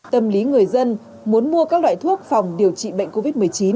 tâm lý người dân muốn mua các loại thuốc phòng điều trị bệnh covid một mươi chín